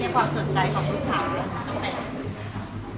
มีความสนใจของผู้ขาวก็แปลก